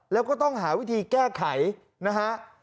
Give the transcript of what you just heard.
แล้วก็ต้องหาวิธีแก้ไขนะฮะ